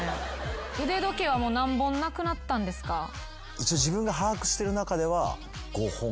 一応自分が把握してる中では。